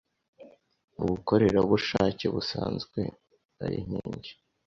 ubukorerebusheke, busenzwe eri inking